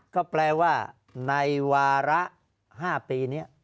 ก็แปลว่าในวาระ๕ปีนี้